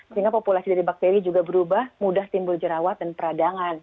sehingga populasi dari bakteri juga berubah mudah timbul jerawat dan peradangan